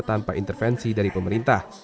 tanpa intervensi dari pemerintah